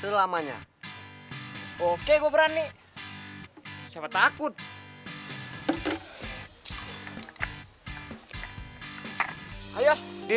biasanya aku cak ya